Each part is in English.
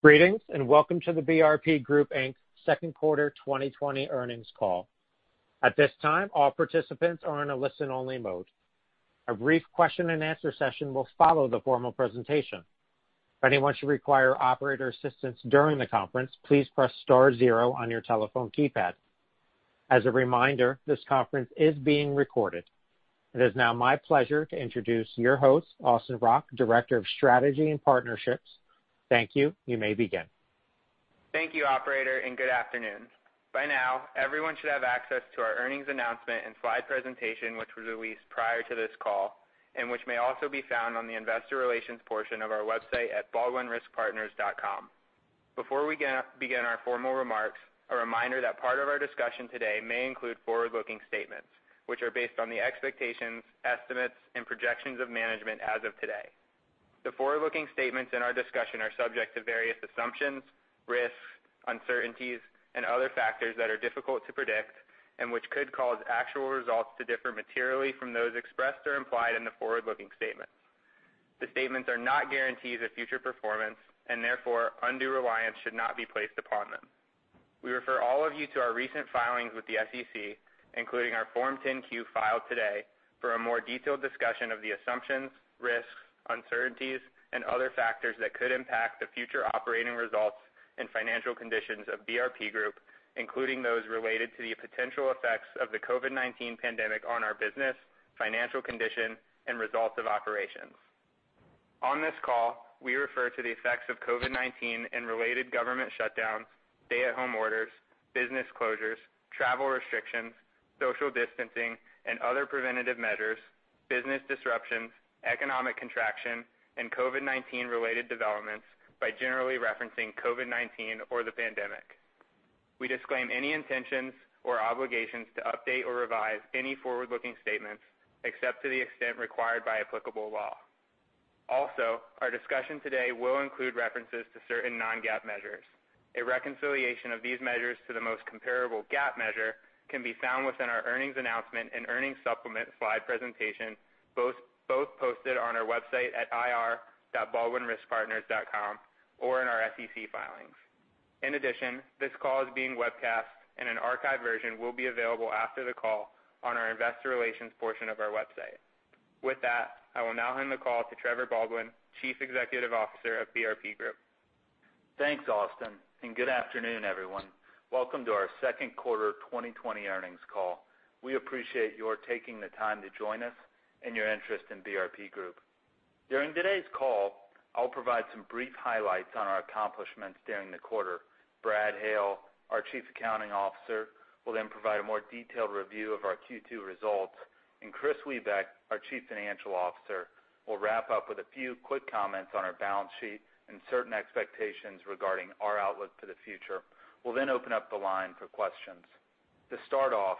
Greetings, and welcome to the BRP Group Inc.'s second quarter 2020 earnings call. At this time, all participants are in a listen-only mode. A brief question and answer session will follow the formal presentation. If anyone should require operator assistance during the conference, please press star zero on your telephone keypad. As a reminder, this conference is being recorded. It is now my pleasure to introduce your host, Austin Rock, Director of Strategy and Partnerships. Thank you. You may begin. Thank you, operator. Good afternoon. By now, everyone should have access to our earnings announcement and slide presentation, which was released prior to this call, and which may also be found on the investor relations portion of our website at www.baldwinriskpartners.com. Before we begin our formal remarks, a reminder that part of our discussion today may include forward-looking statements, which are based on the expectations, estimates, and projections of management as of today. The forward-looking statements in our discussion are subject to various assumptions, risks, uncertainties, and other factors that are difficult to predict and which could cause actual results to differ materially from those expressed or implied in the forward-looking statements. The statements are not guarantees of future performance, and therefore undue reliance should not be placed upon them. We refer all of you to our recent filings with the SEC, including our Form 10-Q filed today, for a more detailed discussion of the assumptions, risks, uncertainties, and other factors that could impact the future operating results and financial conditions of BRP Group, including those related to the potential effects of the COVID-19 pandemic on our business, financial condition, and results of operations. On this call, we refer to the effects of COVID-19 and related government shutdowns, stay-at-home orders, business closures, travel restrictions, social distancing, and other preventative measures, business disruptions, economic contraction, and COVID-19 related developments by generally referencing COVID-19 or the pandemic. We disclaim any intentions or obligations to update or revise any forward-looking statements except to the extent required by applicable law. Also, our discussion today will include references to certain non-GAAP measures. A reconciliation of these measures to the most comparable GAAP measure can be found within our earnings announcement and earning supplement slide presentation, both posted on our website at ir.baldwinriskpartners.com or in our SEC filings. In addition, this call is being webcast and an archive version will be available after the call on our investor relations portion of our website. With that, I will now hand the call to Trevor Baldwin, Chief Executive Officer of BRP Group. Thanks, Austin. Good afternoon, everyone. Welcome to our second quarter 2020 earnings call. We appreciate your taking the time to join us and your interest in BRP Group. During today's call, I'll provide some brief highlights on our accomplishments during the quarter. Brad Hale, our Chief Accounting Officer, will then provide a more detailed review of our Q2 results. Kristopher Wiebeck, our Chief Financial Officer, will wrap up with a few quick comments on our balance sheet and certain expectations regarding our outlook for the future. We'll then open up the line for questions. To start off,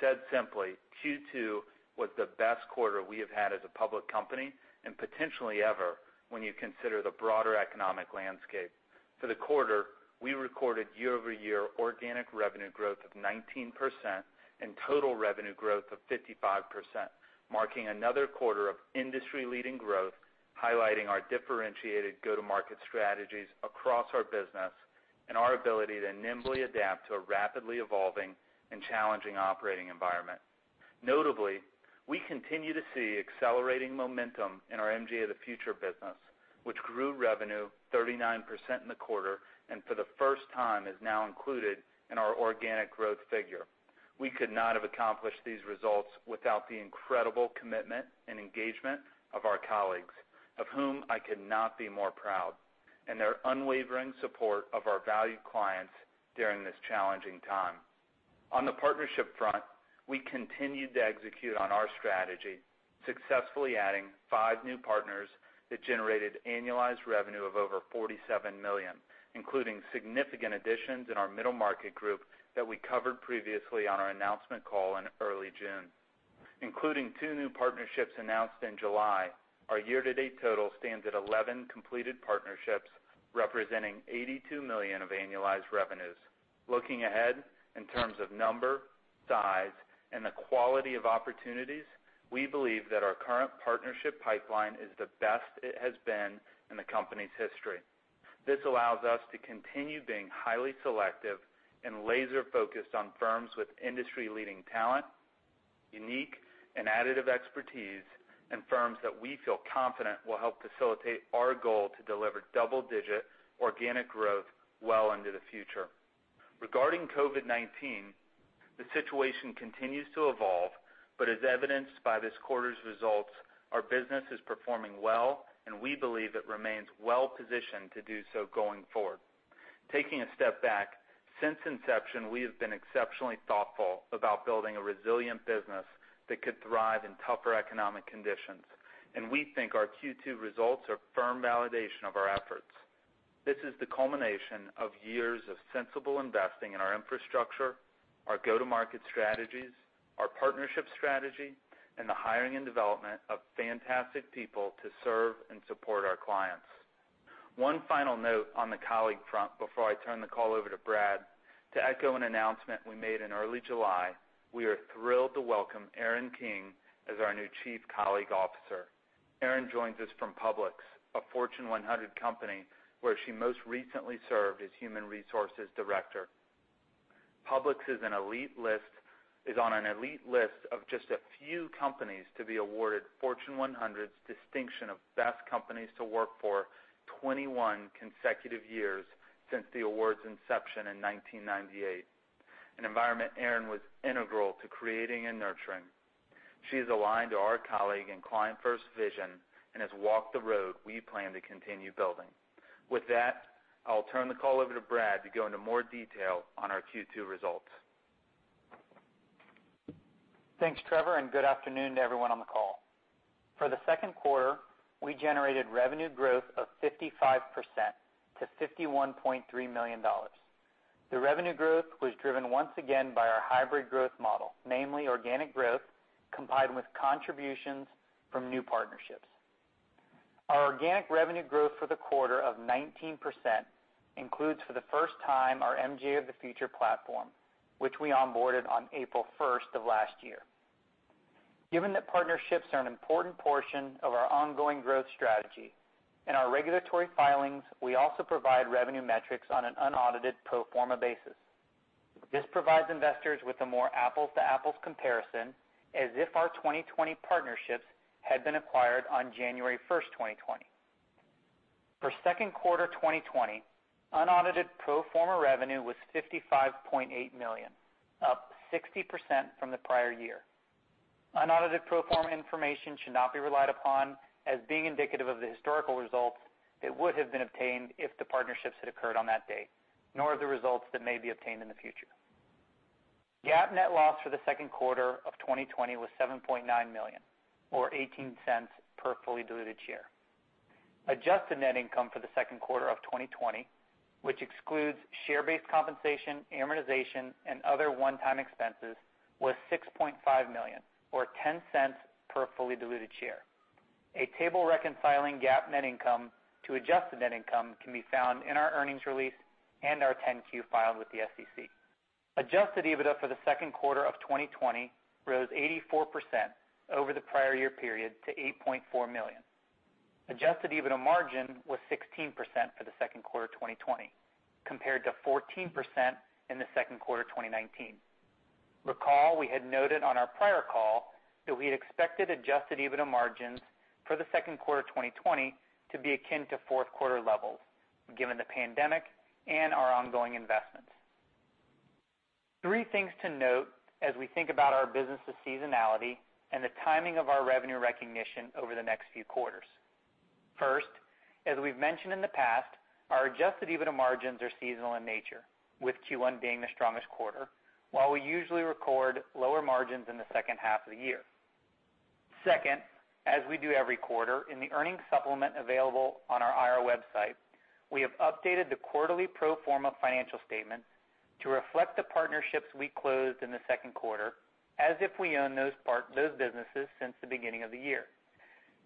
said simply, Q2 was the best quarter we have had as a public company and potentially ever when you consider the broader economic landscape. For the quarter, we recorded year-over-year organic revenue growth of 19% and total revenue growth of 55%, marking another quarter of industry-leading growth, highlighting our differentiated go-to-market strategies across our business and our ability to nimbly adapt to a rapidly evolving and challenging operating environment. Notably, we continue to see accelerating momentum in our MGA of the Future business, which grew revenue 39% in the quarter and for the first time is now included in our organic growth figure. We could not have accomplished these results without the incredible commitment and engagement of our colleagues, of whom I could not be more proud, and their unwavering support of our valued clients during this challenging time. On the partnership front, we continued to execute on our strategy, successfully adding five new partners that generated annualized revenue of over $47 million, including significant additions in our middle market group that we covered previously on our announcement call in early June. Including two new partnerships announced in July, our year-to-date total stands at 11 completed partnerships, representing $82 million of annualized revenues. Looking ahead in terms of number, size, and the quality of opportunities, we believe that our current partnership pipeline is the best it has been in the company's history. This allows us to continue being highly selective and laser-focused on firms with industry-leading talent, unique and additive expertise, and firms that we feel confident will help facilitate our goal to deliver double-digit organic growth well into the future. Regarding COVID-19, the situation continues to evolve, as evidenced by this quarter's results, our business is performing well, and we believe it remains well-positioned to do so going forward. Taking a step back, since inception, we have been exceptionally thoughtful about building a resilient business that could thrive in tougher economic conditions, and we think our Q2 results are firm validation of our efforts. This is the culmination of years of sensible investing in our infrastructure, our go-to-market strategies, our partnership strategy, and the hiring and development of fantastic people to serve and support our clients. One final note on the colleague front before I turn the call over to Brad. To echo an announcement we made in early July, we are thrilled to welcome Erin King as our new Chief Colleague Officer. Erin joins us from Publix, a Fortune 100 company, where she most recently served as Human Resources Director. Publix is on an elite list of just a few companies to be awarded Fortune 100's distinction of Best Companies to Work For 21 consecutive years since the award's inception in 1998, an environment Erin was integral to creating and nurturing. She is aligned to our colleague and client-first vision and has walked the road we plan to continue building. With that, I'll turn the call over to Brad to go into more detail on our Q2 results. Thanks, Trevor. Good afternoon to everyone on the call. For the second quarter, we generated revenue growth of 55% to $51.3 million. The revenue growth was driven once again by our hybrid growth model, namely organic growth combined with contributions from new partnerships. Our organic revenue growth for the quarter of 19% includes for the first time our MGA of the Future platform, which we onboarded on April 1st of last year. Given that partnerships are an important portion of our ongoing growth strategy, in our regulatory filings, we also provide revenue metrics on an unaudited pro forma basis. This provides investors with a more apples-to-apples comparison as if our 2020 partnerships had been acquired on January 1st, 2020. For second quarter 2020, unaudited pro forma revenue was $55.8 million, up 60% from the prior year. Unaudited pro forma information should not be relied upon as being indicative of the historical results it would have been obtained if the partnerships had occurred on that date, nor of the results that may be obtained in the future. GAAP net loss for the second quarter of 2020 was $7.9 million, or $0.18 per fully diluted share. Adjusted net income for the second quarter of 2020, which excludes share-based compensation, amortization, and other one-time expenses, was $6.5 million, or $0.10 per fully diluted share. A table reconciling GAAP net income to adjusted net income can be found in our earnings release and our 10-Q filed with the SEC. Adjusted EBITDA for the second quarter of 2020 rose 84% over the prior year period to $8.4 million. Adjusted EBITDA margin was 16% for the second quarter 2020, compared to 14% in the second quarter 2019. Recall we had noted on our prior call that we had expected adjusted EBITDA margins for the second quarter 2020 to be akin to fourth quarter levels, given the pandemic and our ongoing investments. Three things to note as we think about our business' seasonality and the timing of our revenue recognition over the next few quarters. First, as we've mentioned in the past, our adjusted EBITDA margins are seasonal in nature, with Q1 being the strongest quarter, while we usually record lower margins in the second half of the year. Second, as we do every quarter, in the earnings supplement available on our IR website, we have updated the quarterly pro forma financial statements to reflect the partnerships we closed in the second quarter as if we own those businesses since the beginning of the year.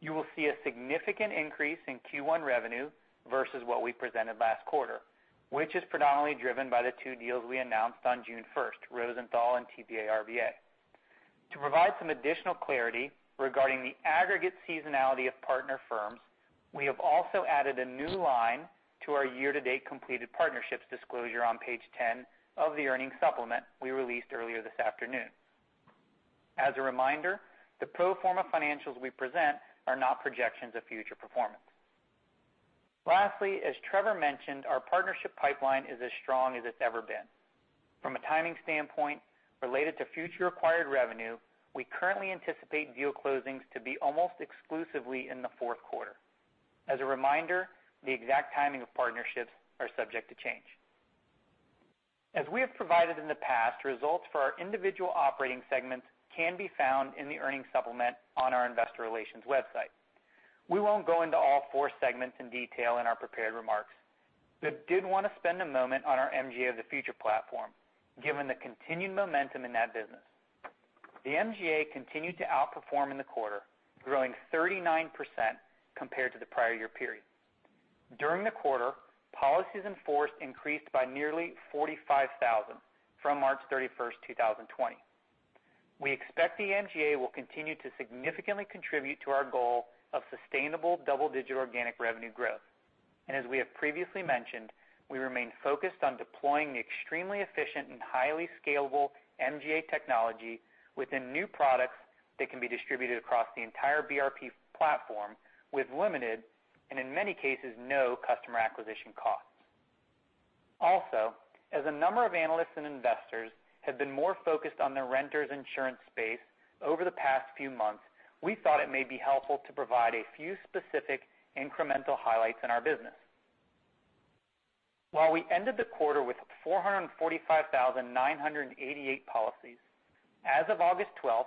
You will see a significant increase in Q1 revenue versus what we presented last quarter, which is predominantly driven by the two deals we announced on June 1st, Rosenthal and TBA-RBA. To provide some additional clarity regarding the aggregate seasonality of partner firms, we have also added a new line to our year-to-date completed partnerships disclosure on page 10 of the earnings supplement we released earlier this afternoon. As a reminder, the pro forma financials we present are not projections of future performance. Lastly, as Trevor mentioned, our partnership pipeline is as strong as it's ever been. From a timing standpoint related to future acquired revenue, we currently anticipate deal closings to be almost exclusively in the fourth quarter. As a reminder, the exact timing of partnerships are subject to change. As we have provided in the past, results for our individual operating segments can be found in the earnings supplement on our investor relations website. We won't go into all four segments in detail in our prepared remarks, but did want to spend a moment on our MGA of the Future platform, given the continued momentum in that business. The MGA continued to outperform in the quarter, growing 39% compared to the prior year period. During the quarter, policies in force increased by nearly 45,000 from March 31st, 2020. We expect the MGA will continue to significantly contribute to our goal of sustainable double-digit organic revenue growth. As we have previously mentioned, we remain focused on deploying the extremely efficient and highly scalable MGA technology within new products that can be distributed across the entire BRP platform with limited, and in many cases, no customer acquisition costs. As a number of analysts and investors have been more focused on the renters insurance space over the past few months, we thought it may be helpful to provide a few specific incremental highlights in our business. While we ended the quarter with 445,988 policies, as of August 12th,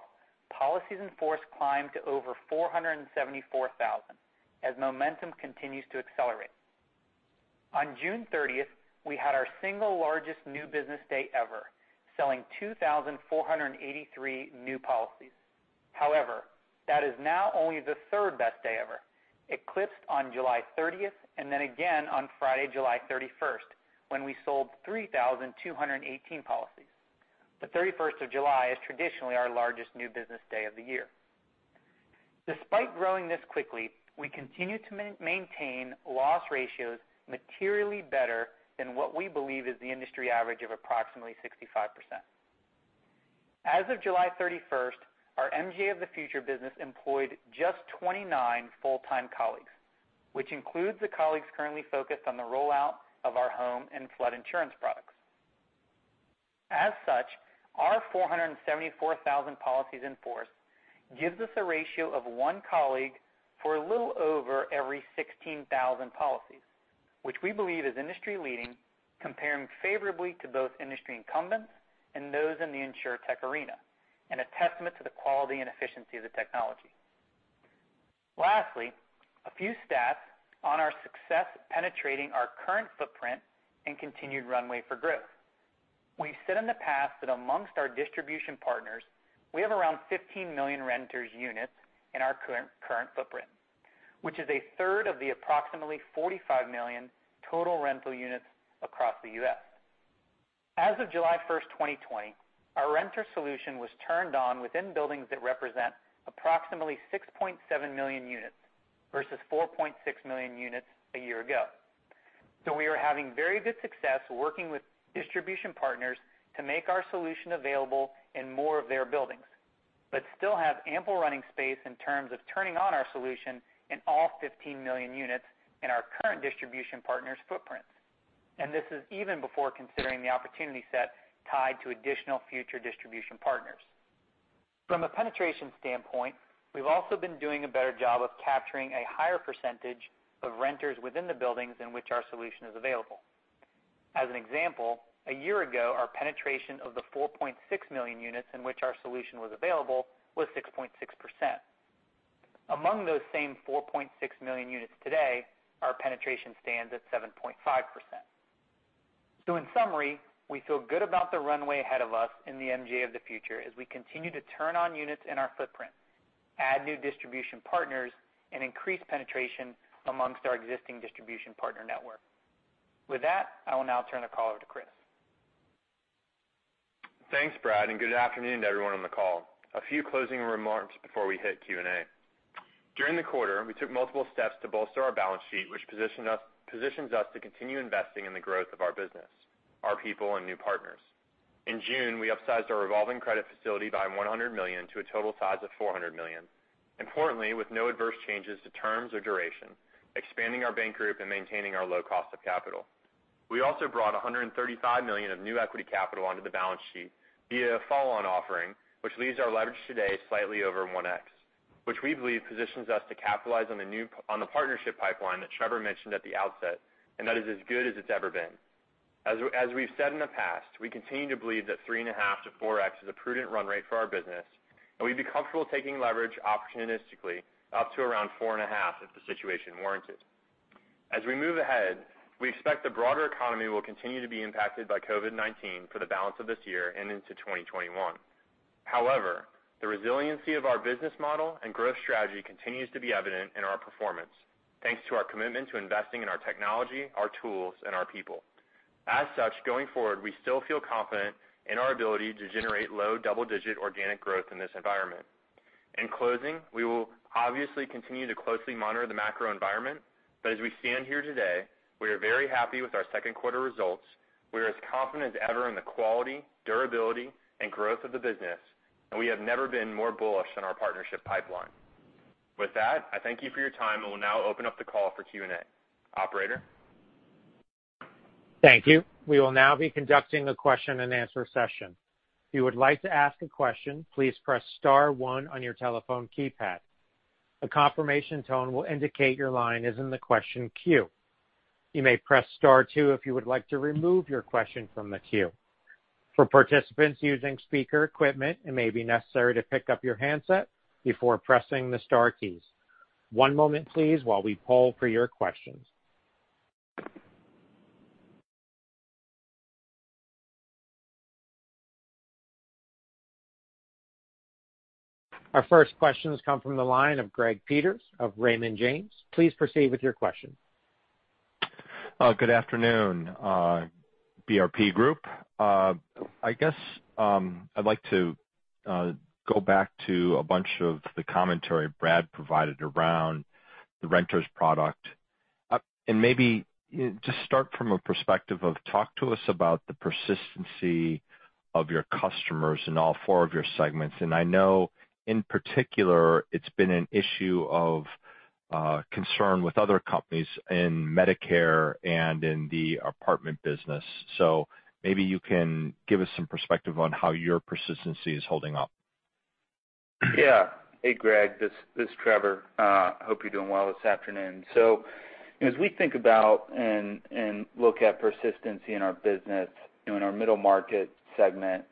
policies in force climbed to over 474,000 as momentum continues to accelerate. On June 30th, we had our single largest new business day ever, selling 2,483 new policies. However, that is now only the third-best day ever. Eclipsed on July 30th, and then again on Friday, July 31st, when we sold 3,218 policies. The 31st of July is traditionally our largest new business day of the year. Despite growing this quickly, we continue to maintain loss ratios materially better than what we believe is the industry average of approximately 65%. As of July 31st, our MGA of the Future business employed just 29 full-time colleagues, which includes the colleagues currently focused on the rollout of our home and flood insurance products. As such, our 474,000 policies in force gives us a ratio of one colleague for a little over every 16,000 policies, which we believe is industry-leading, comparing favorably to both industry incumbents and those in the insurtech arena, and a testament to the quality and efficiency of the technology. Lastly, a few stats on our success penetrating our current footprint and continued runway for growth. We've said in the past that amongst our distribution partners, we have around 15 million renters' units in our current footprint, which is a third of the approximately 45 million total rental units across the U.S. As of July 1st, 2020, our renter solution was turned on within buildings that represent approximately 6.7 million units versus 4.6 million units a year ago. We are having very good success working with distribution partners to make our solution available in more of their buildings, but still have ample running space in terms of turning on our solution in all 15 million units in our current distribution partners' footprints. This is even before considering the opportunity set tied to additional future distribution partners. From a penetration standpoint, we've also been doing a better job of capturing a higher percentage of renters within the buildings in which our solution is available. As an example, a year ago, our penetration of the 4.6 million units in which our solution was available was 6.6%. Among those same 4.6 million units today, our penetration stands at 7.5%. In summary, we feel good about the runway ahead of us in the MGA of the Future as we continue to turn on units in our footprint, add new distribution partners, and increase penetration amongst our existing distribution partner network. With that, I will now turn the call over to Chris. Thanks, Brad, good afternoon to everyone on the call. A few closing remarks before we hit Q&A. During the quarter, we took multiple steps to bolster our balance sheet, which positions us to continue investing in the growth of our business, our people, and new partners. In June, we upsized our revolving credit facility by $100 million to a total size of $400 million, importantly, with no adverse changes to terms or duration, expanding our bank group and maintaining our low cost of capital. We also brought $135 million of new equity capital onto the balance sheet via a follow-on offering, which leaves our leverage today slightly over 1x, which we believe positions us to capitalize on the partnership pipeline that Trevor mentioned at the outset, that is as good as it's ever been. As we've said in the past, we continue to believe that three and a half to 4x is a prudent run rate for our business, and we'd be comfortable taking leverage opportunistically up to around four and a half if the situation warranted. As we move ahead, we expect the broader economy will continue to be impacted by COVID-19 for the balance of this year and into 2021. The resiliency of our business model and growth strategy continues to be evident in our performance, thanks to our commitment to investing in our technology, our tools, and our people. Going forward, we still feel confident in our ability to generate low double-digit organic growth in this environment. In closing, we will obviously continue to closely monitor the macro environment, as we stand here today, we are very happy with our second quarter results. We are as confident as ever in the quality, durability, and growth of the business. We have never been more bullish on our partnership pipeline. With that, I thank you for your time. We'll now open up the call for Q&A. Operator? Thank you. We will now be conducting a question and answer session. If you would like to ask a question, please press star one on your telephone keypad. A confirmation tone will indicate your line is in the question queue. You may press star two if you would like to remove your question from the queue. For participants using speaker equipment, it may be necessary to pick up your handset before pressing the star keys. One moment, please, while we poll for your questions. Our first question comes from the line of Gregory Peters of Raymond James. Please proceed with your question. Good afternoon, BRP Group. I guess I'd like to go back to a bunch of the commentary Brad provided around the renter's product. Maybe just start from a perspective of, talk to us about the persistency of your customers in all four of your segments. I know, in particular, it's been an issue of concern with other companies in Medicare and in the apartment business. Maybe you can give us some perspective on how your persistency is holding up. Yeah. Hey, Greg, this is Trevor. Hope you're doing well this afternoon. As we think about and look at persistency in our business, in our Middle Market segment,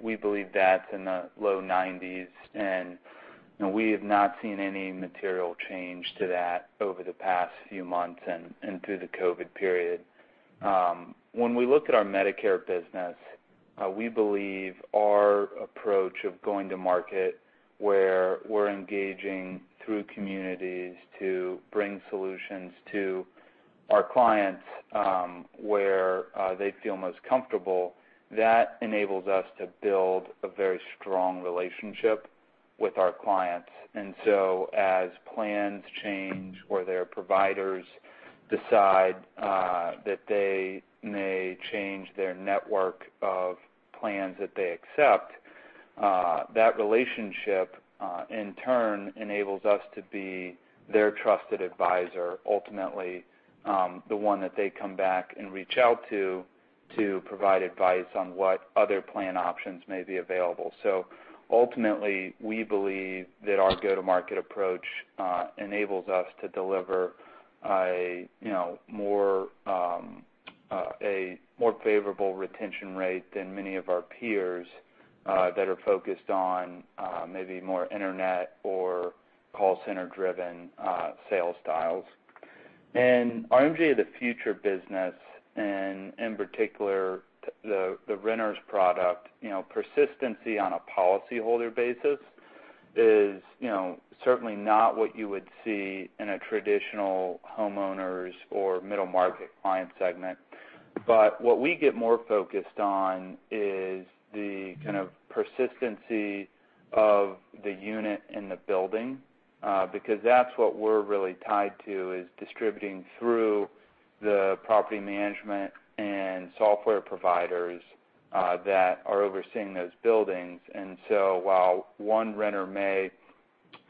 we believe that's in the low nineties. No, we have not seen any material change to that over the past few months and through the COVID-19 period. When we look at our Medicare business, we believe our approach of going to market, where we're engaging through communities to bring solutions to our clients where they feel most comfortable, that enables us to build a very strong relationship with our clients. As plans change or their providers decide that they may change their network of plans that they accept, that relationship, in turn, enables us to be their trusted advisor, ultimately, the one that they come back and reach out to provide advice on what other plan options may be available. Ultimately, we believe that our go-to-market approach enables us to deliver a more favorable retention rate than many of our peers that are focused on maybe more Internet or call center-driven sales styles. In MGA of the Future business, in particular, the renters product, persistency on a policyholder basis is certainly not what you would see in a traditional homeowners or middle-market client segment. What we get more focused on is the kind of persistency of the unit and the building, because that's what we're really tied to, is distributing through the property management and software providers that are overseeing those buildings. While one renter may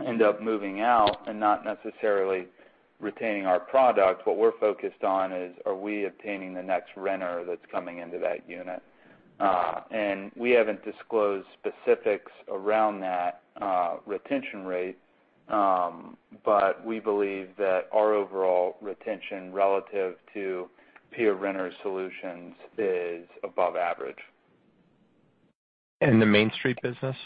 end up moving out and not necessarily retaining our product, what we're focused on is, are we obtaining the next renter that's coming into that unit? We haven't disclosed specifics around that retention rate, but we believe that our overall retention relative to peer renter solutions is above average. The Main Street business?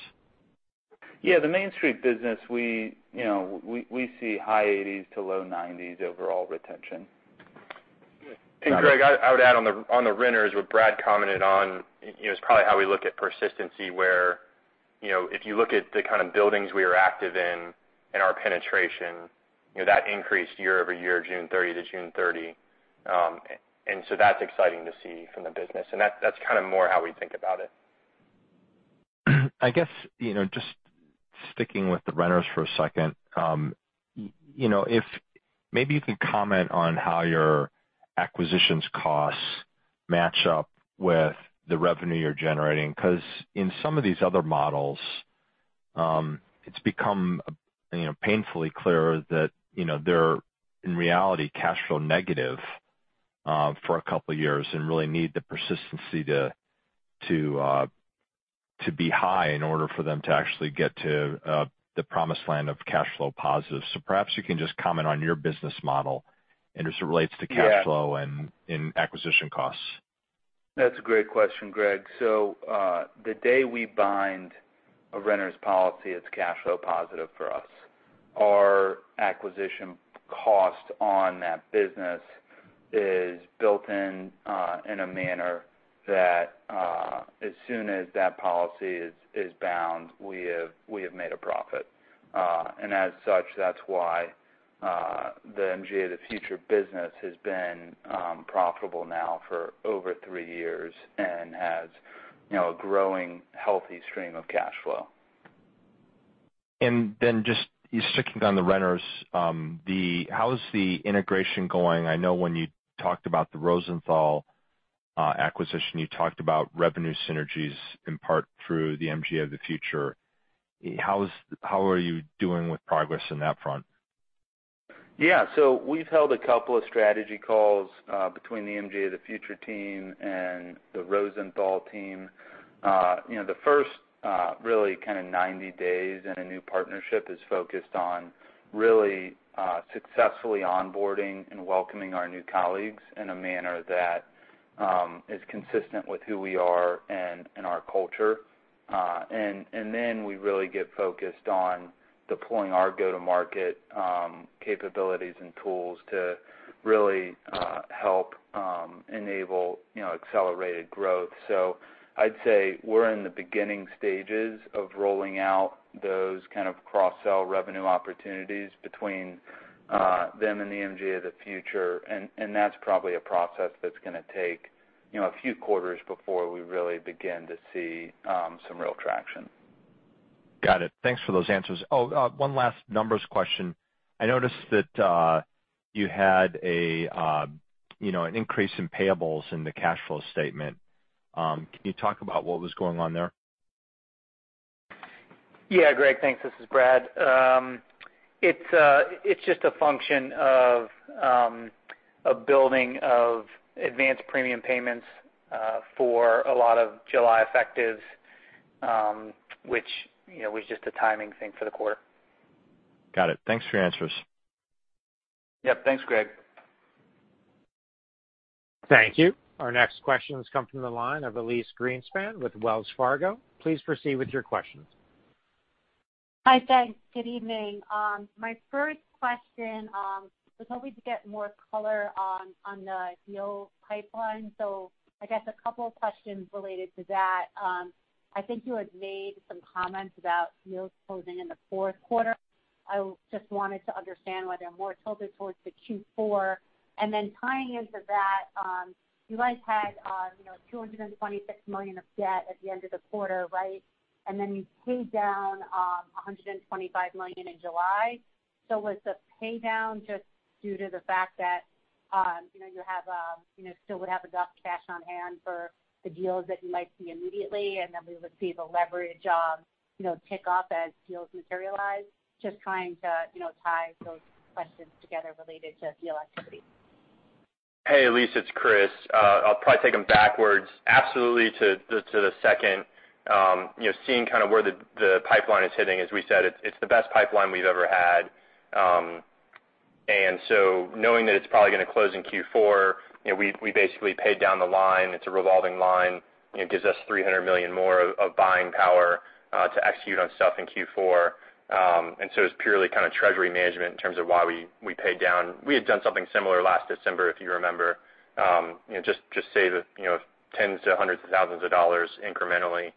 The Main Street business, we see high 80s to low 90s overall retention. Greg, I would add on the renters, what Brad commented on is probably how we look at persistency, where if you look at the kind of buildings we are active in and our penetration, that increased year-over-year, June 30 to June 30. That's exciting to see from the business. That's kind of more how we think about it. I guess, just sticking with the renters for a second, maybe you could comment on how your acquisitions costs match up with the revenue you're generating. Because in some of these other models, it's become painfully clear that they're, in reality, cash flow negative for a couple of years, and really need the persistency to be high in order for them to actually get to the promised land of cash flow positive. Perhaps you can just comment on your business model and as it relates to cash flow and acquisition costs. That's a great question, Greg. The day we bind a renter's policy, it's cash flow positive for us. Our acquisition cost on that business is built in a manner that as soon as that policy is bound, we have made a profit. That's why the MGA of the Future business has been profitable now for over three years and has a growing healthy stream of cash flow. Just sticking on the renters, how is the integration going? I know when you talked about the Rosenthal acquisition, you talked about revenue synergies in part through the MGA of the Future. How are you doing with progress on that front? We've held a couple of strategy calls between the MGA of the Future team and the Rosenthal team. The first really kind of 90 days in a new partnership is focused on really successfully onboarding and welcoming our new colleagues in a manner that is consistent with who we are and our culture. Then we really get focused on deploying our go-to-market capabilities and tools to really help enable accelerated growth. I'd say we're in the beginning stages of rolling out those kind of cross-sell revenue opportunities between them and the MGA of the Future, and that's probably a process that's going to take a few quarters before we really begin to see some real traction. Got it. Thanks for those answers. Oh, one last numbers question. I noticed that you had an increase in payables in the cash flow statement. Can you talk about what was going on there? Yeah, Greg, thanks. This is Brad. It's just a function of building of advanced premium payments for a lot of July effectives, which was just a timing thing for the quarter. Got it. Thanks for your answers. Yep. Thanks, Greg. Thank you. Our next questions come from the line of Elyse Greenspan with Wells Fargo. Please proceed with your questions. Hi. Thanks. Good evening. My first question, was hoping to get more color on the deal pipeline. I guess a couple of questions related to that. I think you had made some comments about deals closing in the fourth quarter. I just wanted to understand why they're more tilted towards the Q4. Then tying into that, you guys had $226 million of debt at the end of the quarter, right? Then you paid down, $125 million in July. Was the pay down just due to the fact that you still would have enough cash on hand for the deals that you might see immediately, then we would see the leverage tick up as deals materialize? Just trying to tie those questions together related to deal activity. Hey, Elyse, it's Chris. I'll probably take them backwards. Absolutely to the second, seeing kind of where the pipeline is hitting, as we said, it's the best pipeline we've ever had. Knowing that it's probably going to close in Q4, we basically paid down the line. It's a revolving line. It gives us $300 million more of buying power to execute on stuff in Q4. It's purely kind of treasury management in terms of why we paid down. We had done something similar last December, if you remember. Just say that tens to hundreds of thousands of dollars incrementally.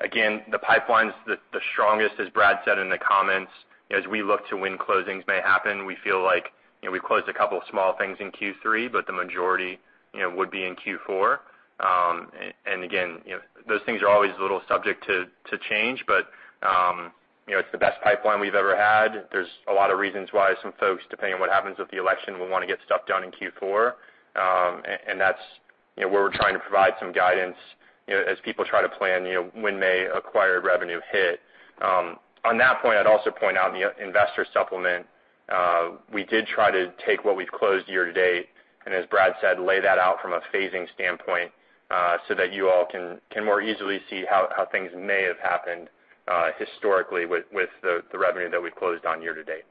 Again, the pipeline's the strongest, as Brad said in the comments. As we look to when closings may happen, we feel like we've closed a couple of small things in Q3, but the majority would be in Q4. Those things are always a little subject to change, but it's the best pipeline we've ever had. There's a lot of reasons why some folks, depending on what happens with the election, will want to get stuff done in Q4. That's where we're trying to provide some guidance as people try to plan when may acquired revenue hit. On that point, I'd also point out in the investor supplement, we did try to take what we've closed year to date, and as Brad said, lay that out from a phasing standpoint, so that you all can more easily see how things may have happened historically with the revenue that we closed on year to date.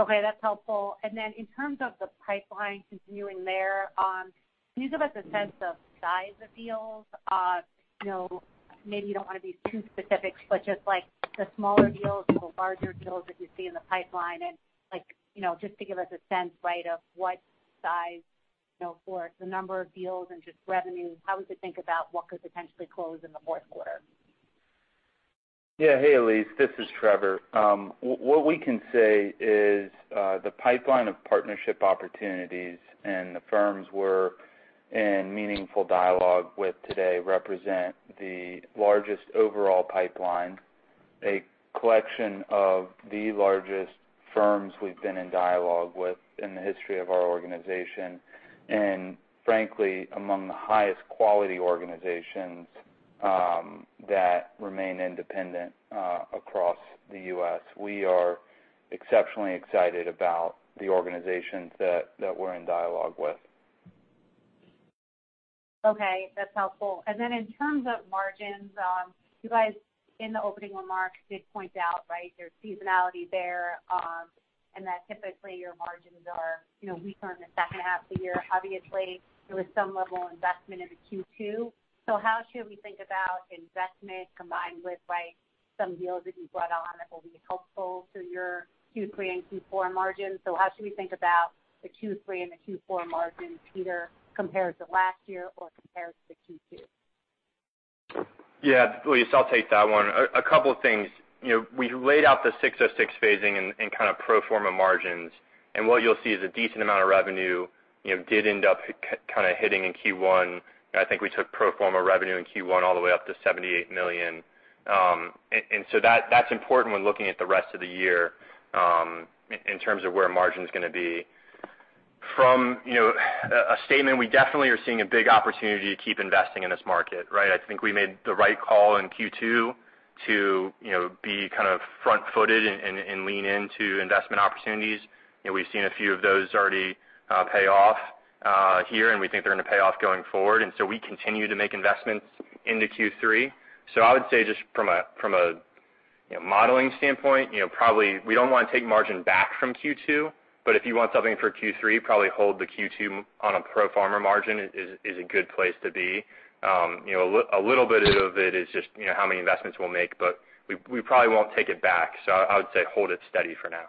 Okay, that's helpful. Then in terms of the pipeline continuing there, can you give us a sense of size of deals? Maybe you don't want to be too specific, but just like the smaller deals or the larger deals that you see in the pipeline, and just to give us a sense of what size for the number of deals and just revenue, how we should think about what could potentially close in the fourth quarter. Yeah. Hey, Elyse, this is Trevor. What we can say is, the pipeline of partnership opportunities and the firms we're in meaningful dialogue with today represent the largest overall pipeline, a collection of the largest firms we've been in dialogue with in the history of our organization, and frankly, among the highest quality organizations that remain independent across the U.S. We are exceptionally excited about the organizations that we're in dialogue with. Okay, that's helpful. Then in terms of margins, you guys, in the opening remarks, did point out there's seasonality there, and that typically your margins are weaker in the second half of the year. Obviously, there was some level of investment into Q2. How should we think about investment combined with some deals that you brought on that will be helpful to your Q3 and Q4 margins? How should we think about the Q3 and the Q4 margins, either compared to last year or compared to Q2? Yeah. Elyse, I'll take that one. A couple of things. We laid out the 606 phasing in kind of pro forma margins. What you'll see is a decent amount of revenue did end up kind of hitting in Q1. I think we took pro forma revenue in Q1 all the way up to $78 million. That's important when looking at the rest of the year in terms of where margin's going to be. From a statement, we definitely are seeing a big opportunity to keep investing in this market. I think we made the right call in Q2 to be kind of front-footed and lean into investment opportunities. We've seen a few of those already pay off here, and we think they're going to pay off going forward. We continue to make investments into Q3. I would say just from a modeling standpoint, probably we don't want to take margin back from Q2, but if you want something for Q3, probably hold the Q2 on a pro forma margin is a good place to be. A little bit of it is just how many investments we'll make, but we probably won't take it back. I would say hold it steady for now.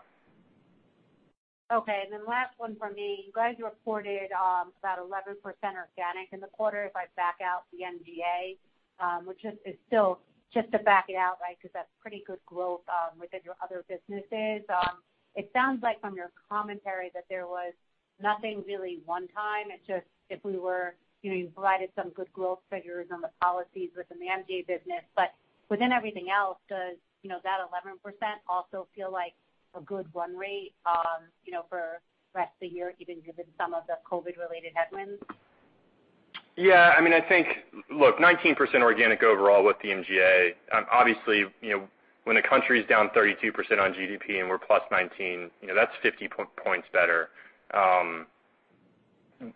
Okay, last one from me. You guys reported about 11% organic in the quarter if I back out the MGA, which is still just to back it out, because that's pretty good growth within your other businesses. It sounds like from your commentary that there was nothing really one time. You provided some good growth figures on the policies within the MGA business. Within everything else, does that 11% also feel like a good run rate for the rest of the year, even given some of the COVID-related headwinds? Yeah. Look, 19% organic overall with the MGA. Obviously, when the country's down 32% on GDP and we're +19%, that's 50 points better.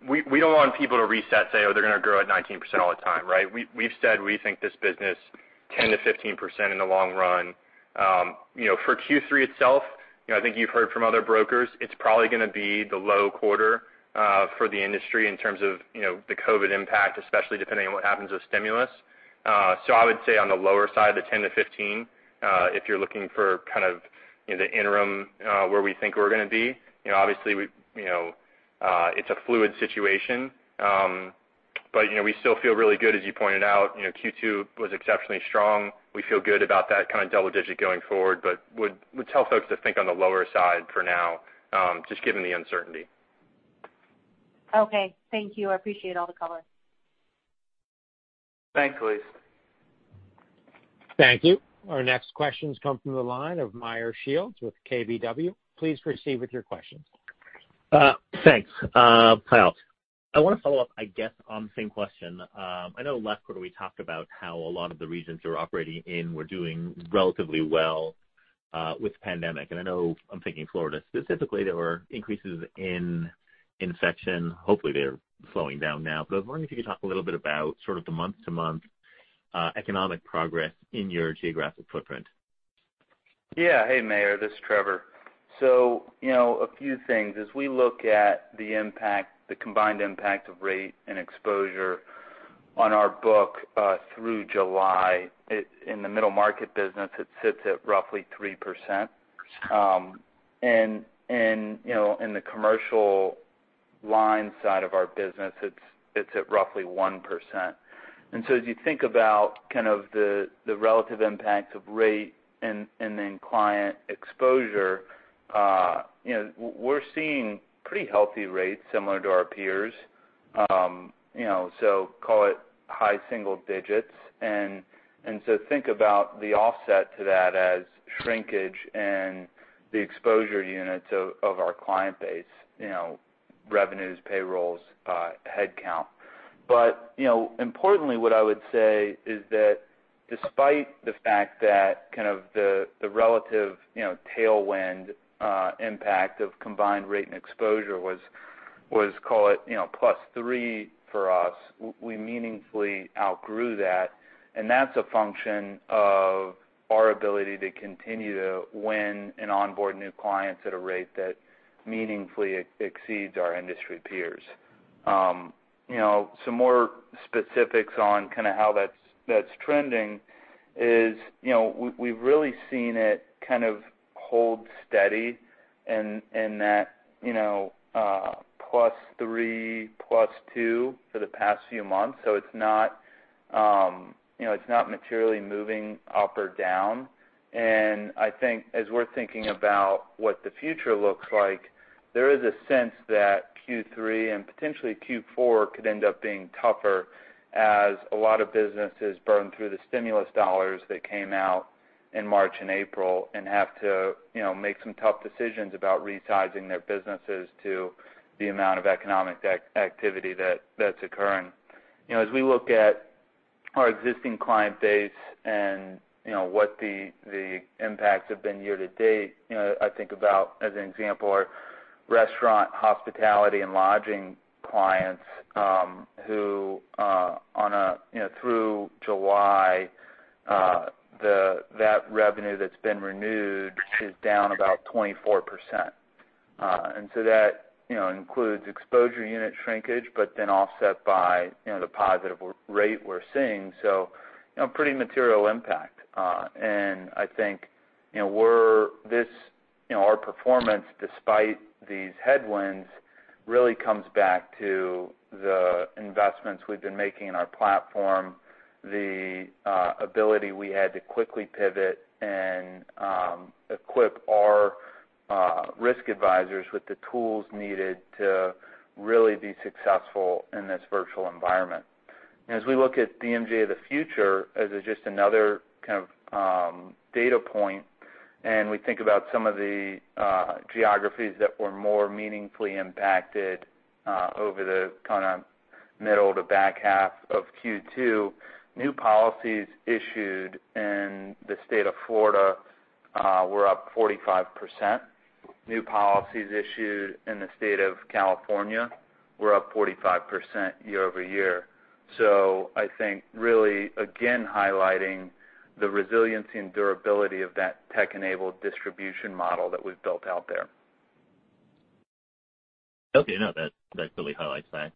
We don't want people to reset, say, oh, they're going to grow at 19% all the time, right? We've said we think this business 10%-15% in the long run. For Q3 itself, I think you've heard from other brokers, it's probably going to be the low quarter for the industry in terms of the COVID impact, especially depending on what happens with stimulus. I would say on the lower side of the 10%-15%, if you're looking for kind of the interim where we think we're going to be. Obviously, it's a fluid situation. We still feel really good, as you pointed out. Q2 was exceptionally strong. We feel good about that kind of double digit going forward, but would tell folks to think on the lower side for now, just given the uncertainty. Okay. Thank you. I appreciate all the color. Thanks, Elyse. Thank you. Our next questions come from the line of Meyer Shields with KBW. Please proceed with your questions. Thanks. Hi all. I want to follow up, I guess, on the same question. I know last quarter we talked about how a lot of the regions you're operating in were doing relatively well with the pandemic, and I know I'm thinking Florida specifically, there were increases in infection. Hopefully they're slowing down now. I was wondering if you could talk a little bit about sort of the month-to-month economic progress in your geographic footprint. Yeah. Hey, Meyer, this is Trevor. A few things. As we look at the combined impact of rate and exposure on our book through July, in the middle market business, it sits at roughly 3%. In the commercial line side of our business, it's at roughly 1%. As you think about kind of the relative impact of rate and then client exposure, we're seeing pretty healthy rates similar to our peers. Call it high single digits. Think about the offset to that as shrinkage in the exposure units of our client base, revenues, payrolls, headcount. Importantly, what I would say is that despite the fact that kind of the relative tailwind impact of combined rate and exposure was, call it +3 for us, we meaningfully outgrew that, and that's a function of our ability to continue to win and onboard new clients at a rate that meaningfully exceeds our industry peers. Some more specifics on kind of how that's trending is we've really seen it kind of hold steady in that +3, +2 for the past few months. It's not materially moving up or down. I think as we're thinking about what the future looks like, there is a sense that Q3 and potentially Q4 could end up being tougher as a lot of businesses burn through the stimulus dollars that came out in March and April and have to make some tough decisions about resizing their businesses to the amount of economic activity that's occurring. As we look at our existing client base and what the impacts have been year-to-date, I think about as an example, our restaurant, hospitality, and lodging clients who through July, that revenue that's been renewed is down about 24%. That includes exposure unit shrinkage, but then offset by the positive rate we're seeing. Pretty material impact. I think our performance, despite these headwinds, really comes back to the investments we've been making in our platform, the ability we had to quickly pivot and equip our risk advisors with the tools needed to really be successful in this virtual environment. As we look at MGA of the Future as just another kind of data point, we think about some of the geographies that were more meaningfully impacted over the kind of middle to back half of Q2, new policies issued in the state of Florida were up 45%. New policies issued in the state of California were up 45% year-over-year. I think really, again, highlighting the resiliency and durability of that tech-enabled distribution model that we've built out there. Okay. No, that really highlights that.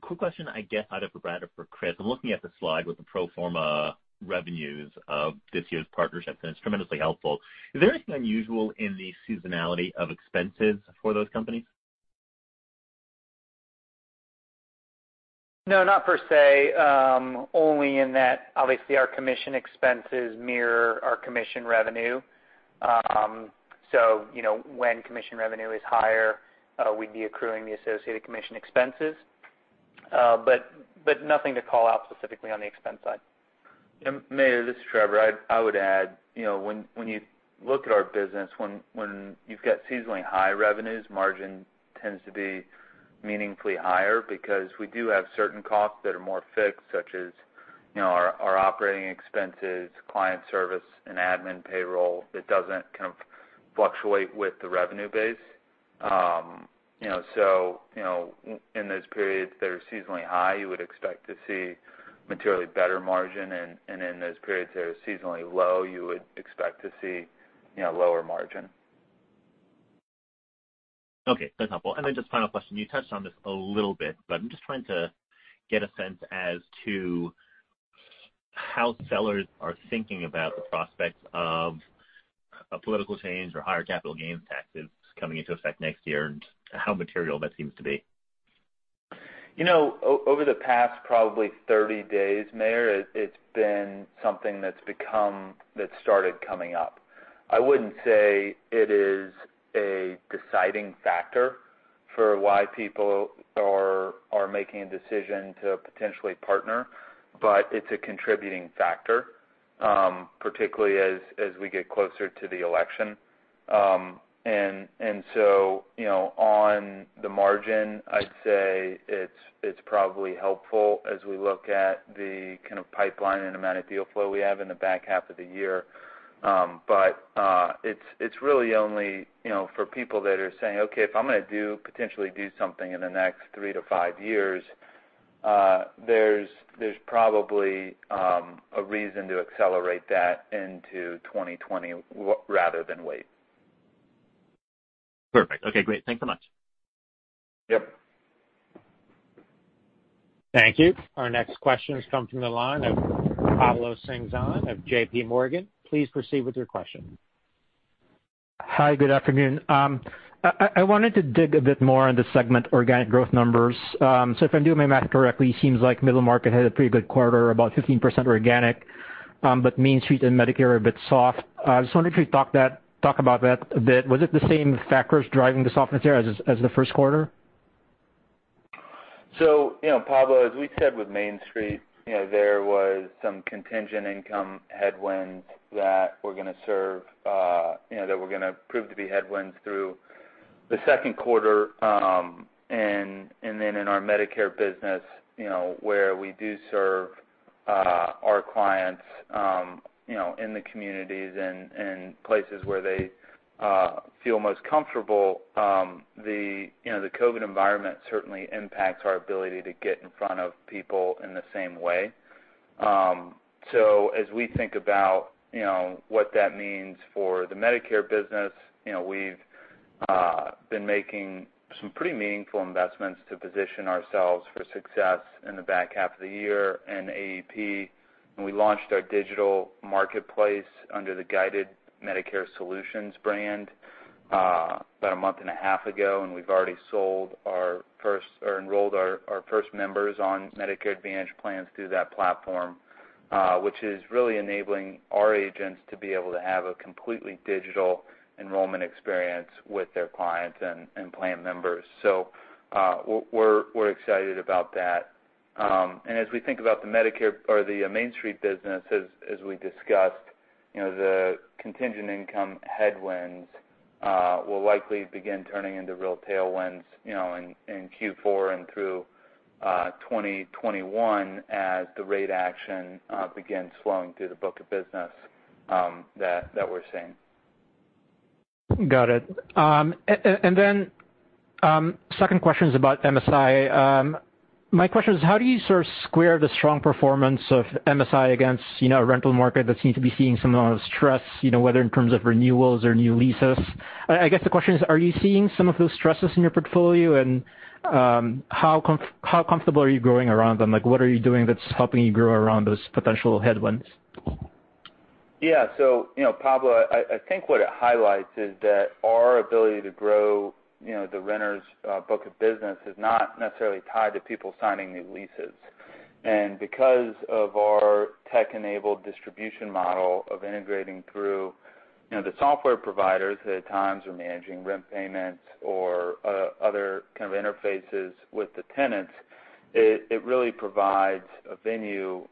Quick question I guess either for Brad or for Chris. I'm looking at the slide with the pro forma revenues of this year's partnerships, it's tremendously helpful. Is there anything unusual in the seasonality of expenses for those companies? No, not per se. Only in that obviously our commission expenses mirror our commission revenue. When commission revenue is higher, we'd be accruing the associated commission expenses. Nothing to call out specifically on the expense side. Meyer, this is Trevor. I would add, when you look at our business, when you've got seasonally high revenues, margin tends to be meaningfully higher because we do have certain costs that are more fixed, such as our operating expenses, client service, and admin payroll that doesn't fluctuate with the revenue base. In those periods that are seasonally high, you would expect to see materially better margin, in those periods that are seasonally low, you would expect to see lower margin. Okay. That's helpful. Just final question, you touched on this a little bit, but I'm just trying to get a sense as to how sellers are thinking about the prospect of a political change or higher capital gains taxes coming into effect next year, and how material that seems to be. Over the past probably 30 days, Meyer, it's been something that started coming up. I wouldn't say it is a deciding factor for why people are making a decision to potentially partner, but it's a contributing factor, particularly as we get closer to the election. On the margin, I'd say it's probably helpful as we look at the kind of pipeline and amount of deal flow we have in the back half of the year. It's really only for people that are saying, "Okay, if I'm going to potentially do something in the next three to five years," there's probably a reason to accelerate that into 2020 rather than wait. Perfect. Okay, great. Thanks so much. Yep. Thank you. Our next question comes from the line of Pablo Singzon of JP Morgan. Please proceed with your question. Hi, good afternoon. I wanted to dig a bit more on the segment organic growth numbers. If I'm doing my math correctly, seems like Middle Market had a pretty good quarter, about 15% organic. Main Street and Medicare are a bit soft. I just wonder if you'd talk about that a bit. Was it the same factors driving the softness there as the first quarter? Pablo, as we said with Main Street, there was some contingent income headwinds that were going to prove to be headwinds through the second quarter. In our Medicare business, where we do serve our clients in the communities and places where they feel most comfortable, the COVID environment certainly impacts our ability to get in front of people in the same way. As we think about what that means for the Medicare business, we've been making some pretty meaningful investments to position ourselves for success in the back half of the year in AEP. We launched our digital marketplace under the Guided Medicare Solutions brand, about a month and a half ago, and we've already enrolled our first members on Medicare Advantage Plans through that platform, which is really enabling our agents to be able to have a completely digital enrollment experience with their clients and plan members. We're excited about that. As we think about the Medicare or the Main Street business, as we discussed, the contingent income headwinds will likely begin turning into real tailwinds, in Q4 and through 2021 as the rate action begins flowing through the book of business that we're seeing. Got it. Second question is about MSI. My question is, how do you sort of square the strong performance of MSI against a rental market that seems to be seeing some of the stress, whether in terms of renewals or new leases? The question is, are you seeing some of those stresses in your portfolio and how comfortable are you growing around them? What are you doing that's helping you grow around those potential headwinds? Pablo, I think what it highlights is that our ability to grow the renter's book of business is not necessarily tied to people signing new leases. Because of our tech-enabled distribution model of integrating through the software providers that at times are managing rent payments or other kind of interfaces with the tenants, it really provides a venue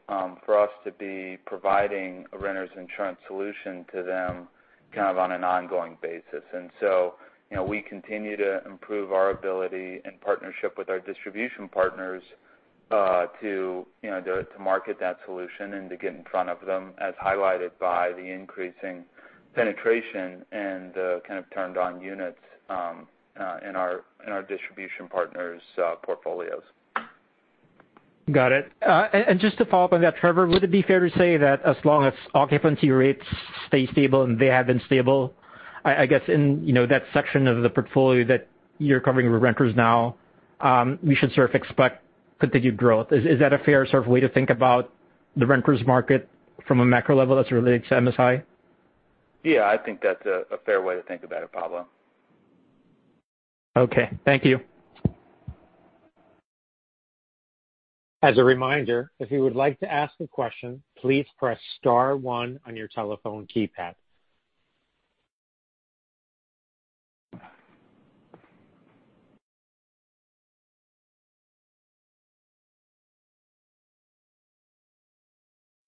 for us to be providing a renter's insurance solution to them kind of on an ongoing basis. We continue to improve our ability and partnership with our distribution partners to market that solution and to get in front of them, as highlighted by the increasing penetration and the kind of turned-on units in our distribution partners' portfolios. Got it. Just to follow up on that, Trevor, would it be fair to say that as long as occupancy rates stay stable, and they have been stable, I guess in that section of the portfolio that you're covering with renters now, we should sort of expect continued growth. Is that a fair sort of way to think about the renters market from a macro level as it relates to MSI? Yeah, I think that's a fair way to think about it, Pablo. Okay. Thank you. As a reminder, if you would like to ask a question, please press star one on your telephone keypad.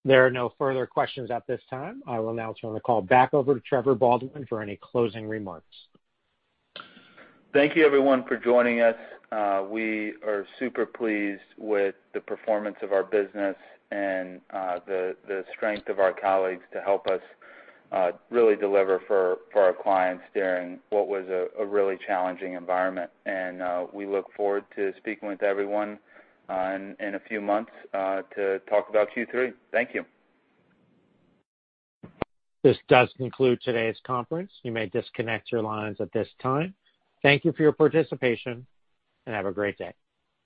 There are no further questions at this time. I will now turn the call back over to Trevor Baldwin for any closing remarks. Thank you everyone for joining us. We are super pleased with the performance of our business and the strength of our colleagues to help us really deliver for our clients during what was a really challenging environment. We look forward to speaking with everyone in a few months to talk about Q3. Thank you. This does conclude today's conference. You may disconnect your lines at this time. Thank you for your participation, and have a great day.